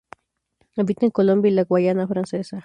Habita en Colombia y la Guayana Francesa.